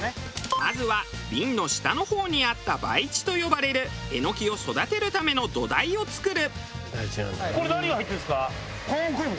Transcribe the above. まずは瓶の下の方にあった培地と呼ばれるエノキを育てるための土台を作る。